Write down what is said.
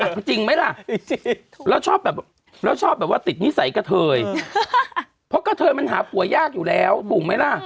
เพราะก็เธอมันหาผัวยากอยู่แล้วถูกไหมล่ะ